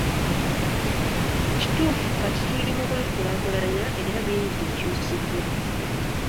Kituufu kati tuli mu kwekulaakulanya era bingi bikyusiddwa.